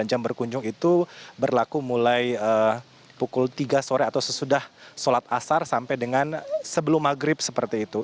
jam berkunjung itu berlaku mulai pukul tiga sore atau sesudah sholat asar sampai dengan sebelum maghrib seperti itu